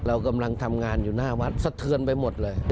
เรากำลังทำงานอยู่หน้าวัดสะเทือนไปหมดเลย